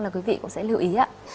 là quý vị cũng sẽ lưu ý